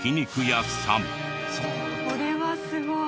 これはすごい。